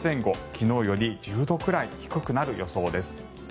昨日より１０度くらい低くなる予想です。